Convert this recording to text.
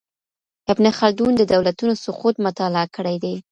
ابن خلدون د دولتونو سقوط مطالعه کړی دی.